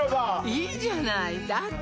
いいじゃないだって